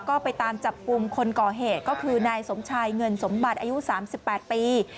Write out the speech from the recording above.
ก็ไปตามจับกลุ่มคนก่อเหตุก็คือนายสมชายเงินสมบัติอายุ๓๘ปี